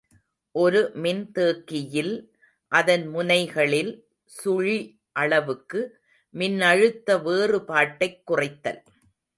ஒரு மின்தேக்கியில் அதன் முனைகளில் சுழிஅளவுக்கு மின்னழுத்த வேறுபாட்டைக் குறைத்தல்.